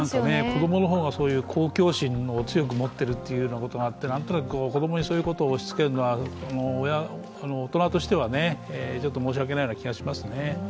子供の方が公共心を強く持ってるというのがあって、何となく子供にそういうことを押しつけるのは大人としては申し訳ないような気がしますね。